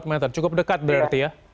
tiga sampai empat meter cukup dekat berarti ya